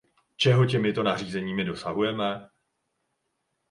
Čeho těmito nařízeními dosahujeme?